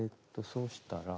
そうしたら。